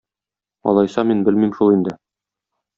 Алайса, мин белмим шул инде.